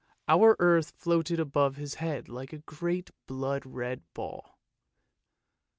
Our earth floated above his head like a great blood red ball.